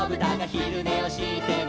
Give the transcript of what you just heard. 「ひるねをしても」